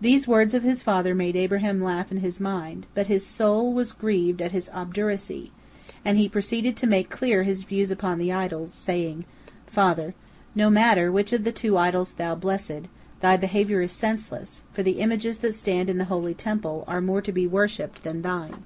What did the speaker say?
These words of his father made Abraham laugh in his mind, but his soul was grieved at his obduracy, and he proceeded to make clear his views upon the idols, saying: "Father, no matter which of the two idols thou blessest, thy behavior is senseless, for the images that stand in the holy temple are more to be worshipped than thine.